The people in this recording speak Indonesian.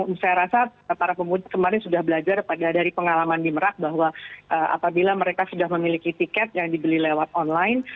saya rasa para pemudik kemarin sudah belajar dari pengalaman di merak bahwa apabila mereka sudah memiliki tiket yang dibeli lewat online